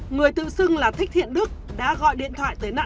người tự xưng là thích thiện đức đã gọi điện thoại tới nạn nhân